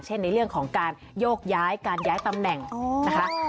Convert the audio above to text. ในเรื่องของการโยกย้ายการย้ายตำแหน่งนะคะ